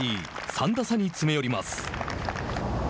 ３打差に詰め寄ります。